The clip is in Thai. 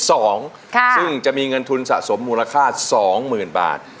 ซึ่งจะมีเงินทุนสะสมมูลค่า๒๐๐๐บาท